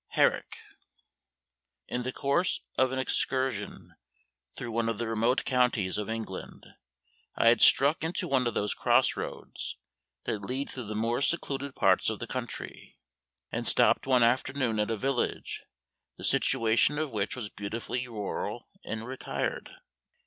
HERRICK. IN the course of an excursion through one of the remote counties of England, I had struck into one of those cross roads that lead through the more secluded parts of the country, and stopped one afternoon at a village the situation of which was beautifully rural and retired.